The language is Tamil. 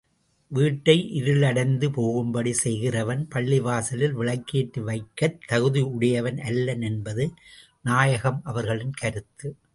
வீட்டை இருளடைந்து போகும்படி செய்கிறவன் பள்ளிவாசலில் விளக்கேற்றி வைக்கத் தகுதியுடையவன் அல்லன் என்பது நாயகம் அவர்களின் கருத்து.